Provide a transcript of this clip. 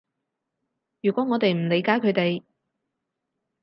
如果我哋唔理解佢哋